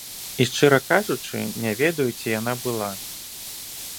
І шчыра кажучы, не ведаю, ці яна была.